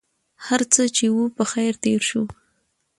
هرڅه چې و په خیر تېر شو.